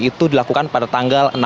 itu dilakukan perhubungan